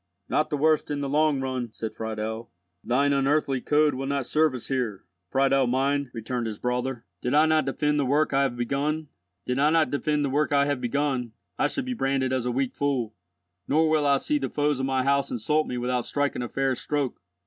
"Not the worst in the long run," said Friedel. "Thine unearthly code will not serve us here, Friedel mine," returned his brother. "Did I not defend the work I have begun, I should be branded as a weak fool. Nor will I see the foes of my house insult me without striking a fair stroke.